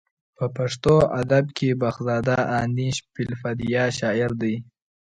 په پښتو ادب کې بخزاده دانش فې البدیه شاعر دی.